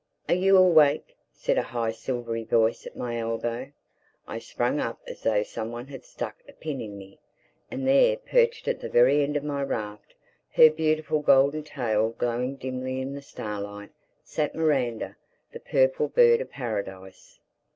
"Are you awake?" said a high silvery voice at my elbow. I sprang up as though some one had stuck a pin in me. And there, perched at the very end of my raft, her beautiful golden tail glowing dimly in the starlight, sat Miranda, the Purple Bird of Paradise!